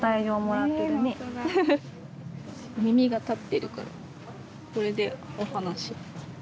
耳が立ってるからこれでお話。